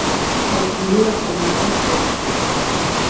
El primer de setmana és festa.